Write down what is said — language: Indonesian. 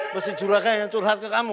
mesti curaka yang curhat ke kamu